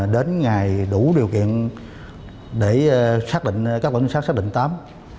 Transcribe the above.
đến ngày đủ điều kiện để các tổ trinh sát xác định tám